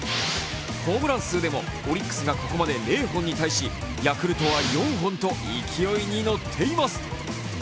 ホームラン数でもオリックスがここまで０本に対しヤクルトは４本と勢いに乗っています。